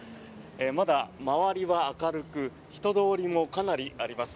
まだ周りは明るく人通りもかなりあります。